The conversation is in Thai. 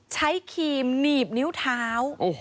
ครีมหนีบนิ้วเท้า